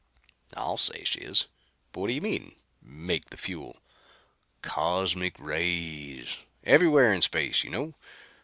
"I'll say she is. But what do you mean make the fuel?" "Cosmic rays. Everywhere in space you know.